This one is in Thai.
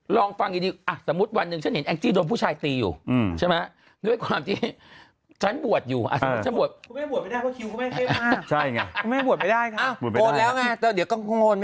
ลองฟังดีสมมุติวันหนึ่งฉันเห็นแองจี้โดนผู้ชายตีอยู่ใช่ไหม